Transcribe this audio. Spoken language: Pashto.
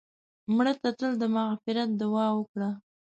مړه ته تل د مغفرت دعا وکړه